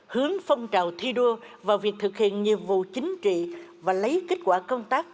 hướng phong trào thi đua vào việc thực hiện nhiệm vụ chính trị và lấy kết quả công tác